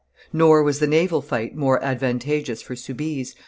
Nor was the naval fight more advantageous for Soubise.